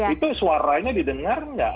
itu suaranya didengar gak